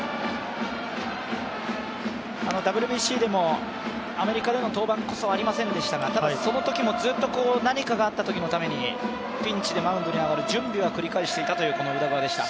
ＷＢＣでもアメリカでの登板こそありませんでしたが、ただそのときもずっと何かがあったときのために、ピンチでマウンドに上がる準備は繰り返していたという宇田川です。